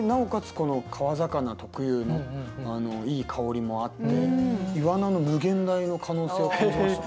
この川魚特有のいい香りもあってイワナの無限大の可能性を感じました。